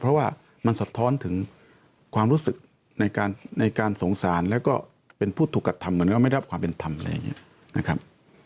เพราะว่ามันสะท้อนถึงความรู้สึกในการสงสารแล้วก็เป็นผู้ถูกกระทำเหมือนก็ไม่รับความเป็นธรรมอะไรอย่างนี้นะครับ